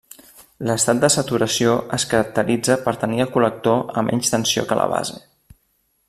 L'estat de saturació es caracteritza per tenir el col·lector a menys tensió que la base.